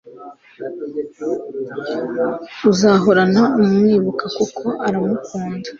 uzahorana umwibuka kuko uramukunda